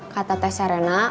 kata tes serena